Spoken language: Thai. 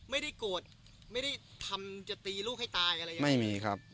ไม่ได้โกรธไม่ได้ทำจะตีลูกให้ตายอะไรอย่างนี้ไม่มีครับ